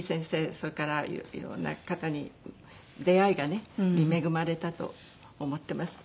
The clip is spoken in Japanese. それから色んな方に出会いがねに恵まれたと思ってます。